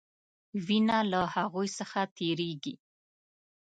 وینه له هغوي څخه تیریږي.